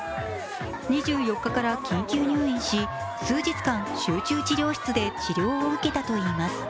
２４日から緊急入院し数日間集中治療室で治療を受けたといいます。